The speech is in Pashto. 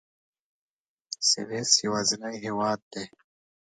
سویس یوازینی هېواد دی.